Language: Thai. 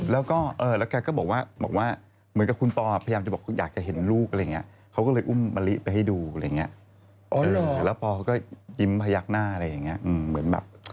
แล้วพอเขาก็ยิ้มพยักหน้าอะไรอย่างเงี้ย